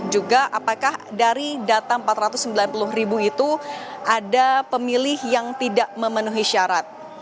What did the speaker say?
juga apakah dari data empat ratus sembilan puluh ribu itu ada pemilih yang tidak memenuhi syarat